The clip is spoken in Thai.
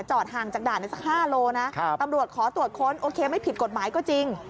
จอดห่างจากด่าน๕โลกรัมนะครับตำรวจขอตรวจค้นโอเคไม่ผิดกฎหมายก็จริง